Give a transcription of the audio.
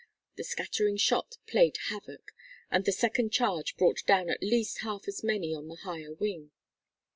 The scattering shot played havoc, and the second charge brought down at least half as many on the higher wing.